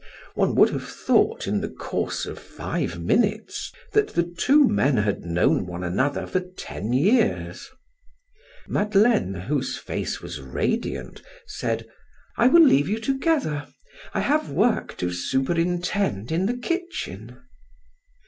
One would have thought in the course of five minutes, that the two men had known one another for ten years. Madeleine, whose face was radiant, said: "I will leave you together. I have work to superintend in the kitchen."